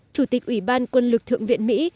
chủ tịch ủy ban quân lực thượng viện mỹ